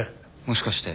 もしかして。